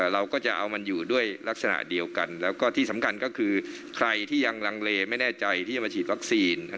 แล้วก็ที่สำคัญก็คือใครที่ยังรังเลไม่แน่ใจที่จะมาฉีดวัคซีน